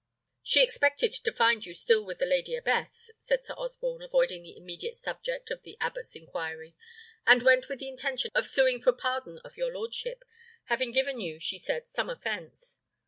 "She expected to find you still with the lady abbess," said Sir Osborne, avoiding the immediate subject of the abbot's inquiry; "and went with the intention of suing for pardon of your lordship, having given you, she said, some offence."